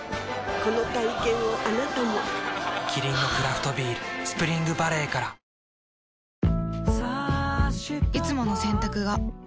この体験をあなたもキリンのクラフトビール「スプリングバレー」からいつもの洗濯が